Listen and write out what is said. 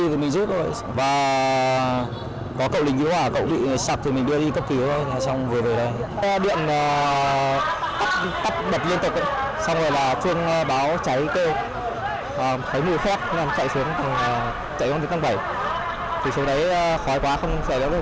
thì sau đấy khói quá không xảy ra được bây giờ vào một cái phòng ở tầng bảy